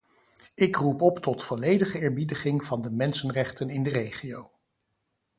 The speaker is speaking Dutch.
Ik roep op tot volledige eerbiediging van de mensenrechten in de regio.